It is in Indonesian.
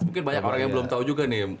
mungkin banyak orang yang belum tahu juga nih